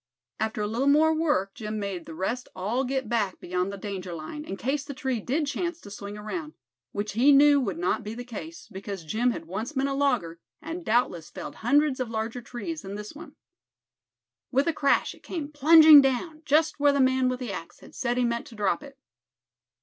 After a little more work Jim made the rest all get back beyond the danger line, in case the tree did chance to swing around; which he knew would not be the case; because Jim had once been a logger, and doubtless felled hundreds of larger trees than this one. With a crash it came plunging down, just where the man with the axe had said he meant to drop it.